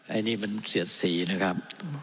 อันนี้มันเสียดสีนะครับ